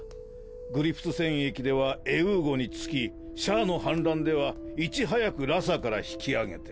グリプス戦役ではエゥーゴに付きシャアの反乱ではいち早くラサから引き揚げて。